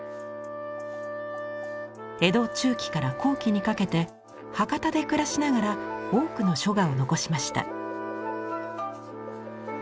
江戸中期から後期にかけて博多で暮らしながら多くの書画を残しました。